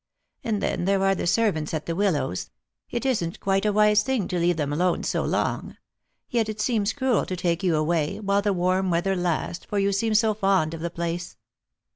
And then there are the servants at the Willows. It isn't quite a wise thing to leave them alone so long ; yet it seems cruel to take you away, while the warm weather lasts, for you seem so fond of the place."